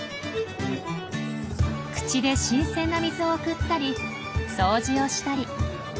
口で新鮮な水を送ったり掃除をしたり。